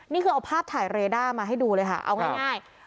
นี่คือเอาภาพถ่ายเรด้ามาให้ดูเลยค่ะเอาง่าย